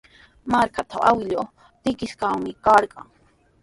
Markantraw awkilluu trikishqami karqan.